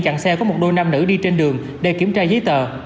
chặn xe có một đôi nam nữ đi trên đường để kiểm tra giấy tờ